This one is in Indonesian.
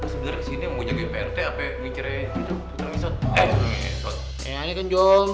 sebenernya kesini yang mau jagain prt apa yang mau ngicirnya sot